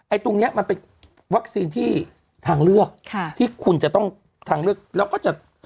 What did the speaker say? ตรงเนี้ยมันเป็นวัคซีนที่ทางเลือกค่ะที่คุณจะต้องทางเลือกแล้วก็จะ